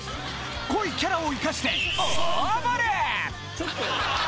濃いキャラを活かして大暴れ！